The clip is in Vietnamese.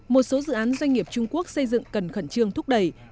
một số dự án doanh nghiệp trung quốc xây dựng cần khẩn trương thúc đẩy